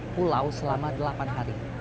pulau selama delapan hari